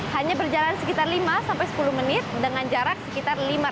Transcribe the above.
hanya berjalan sekitar lima sampai sepuluh menit dengan jarak sekitar lima meter